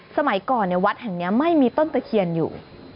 สมัยก่อนวัดแห่งนี้ไม่มีต้นตะเคียนอยู่